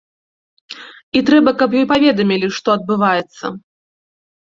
І трэба, каб ёй паведамілі, што адбываецца.